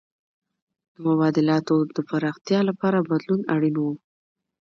د مبادلاتو د پراختیا لپاره بدلون اړین و.